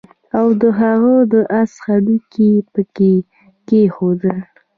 او د هغه د آس هډوکي يې پکي کېښودل